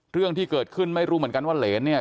เรื่องที่เกิดขึ้นไม่รู้เหมือนกันว่าเหรนเนี่ย